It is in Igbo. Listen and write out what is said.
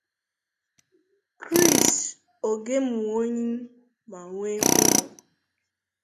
Chris Ogiemwonyi ma nwee ụmụ.